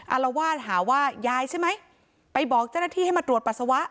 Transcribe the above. อารวาสหาว่ายายใช่ไหมไปบอกเจ้าหน้าที่ให้มาตรวจปัสสาวะ